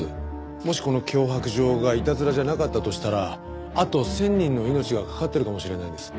もしこの脅迫状がいたずらじゃなかったとしたらあと１０００人の命が懸かってるかもしれないんです。